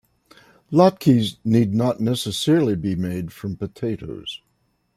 Latkes need not necessarily be made from potatoes.